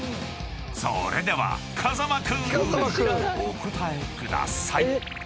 ［それでは風間君！お答えください］